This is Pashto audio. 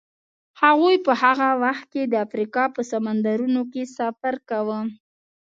هغوی په هغه وخت کې د افریقا په سمندرونو کې سفر کاوه.